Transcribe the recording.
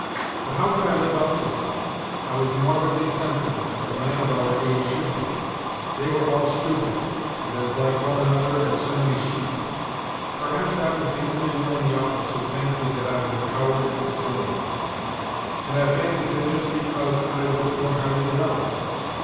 But how could I live up to it ? I was morbidly sensitive, as a man of our age should be. They were all stupid, and as like one another as so many sheep. Per haps I was the only one in the office who fancied that I was a coward and a slave, and I fancied it just because I was more highly developed.